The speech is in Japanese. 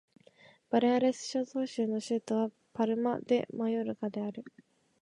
バレアレス諸島州の州都はパルマ・デ・マヨルカである